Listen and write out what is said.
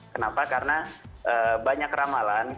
kenapa karena banyak ramalan